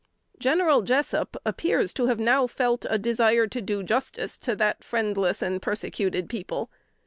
General Jessup appears to have now felt a desire to do justice to that friendless and persecuted people.